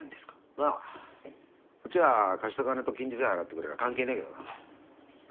まあこっちは貸した金と金利さえ払ってくれりゃあ関係ねぇけどな。